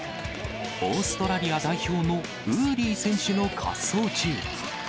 オーストラリア代表のウーリー選手の滑走中。